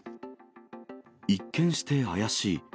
一見して怪しい。